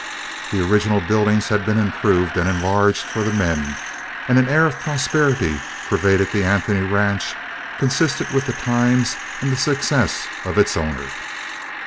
The original buildings had been improved and enlarged for the men, and an air of prosperity pervaded the Anthony ranch consistent with the times and the success of its owner.